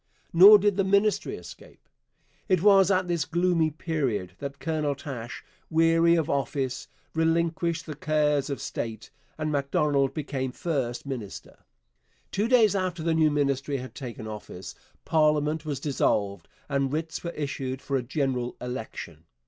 Nor did the Ministry escape. It was at this gloomy period that Colonel Taché, weary of office, relinquished the cares of state, and Macdonald became first minister. Two days after the new Ministry had taken office parliament was dissolved and writs were issued for a general election.